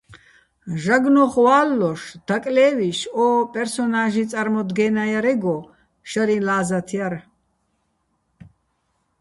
ჟაგნოხ ვა́ლლოშ, დაკლე́ვიშ, ო პერსონა́ჟი წარმოდგე́ნადჲარეგო შარიჼ ლა́ზათ ჲარ.